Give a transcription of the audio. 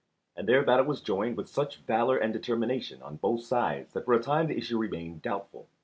And there battle was joined with such valour and determination on both sides that for a time the issue remained doubtful.